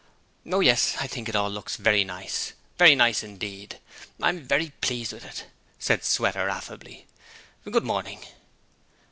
'Oh, yes. I think it looks very nice; very nice indeed; I'm very pleased with it,' said Sweater affably. 'Good morning.'